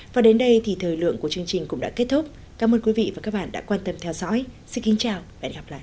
và đến đây thì thời lượng của chương trình cũng đã kết thúc cảm ơn quý vị và các bạn đã quan tâm theo dõi xin kính chào và hẹn gặp lại